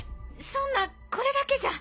そんなこれだけじゃ。